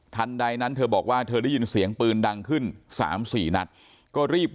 ใดนั้นเธอบอกว่าเธอได้ยินเสียงปืนดังขึ้น๓๔นัดก็รีบ